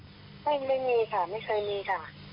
ไม่มีค่ะไม่เคยมีค่ะ